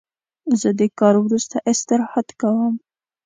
زه د کار وروسته استراحت کوم.